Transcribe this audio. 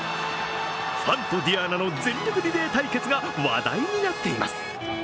ファンとｄｉａｎａの全力リレー対決が話題になっています。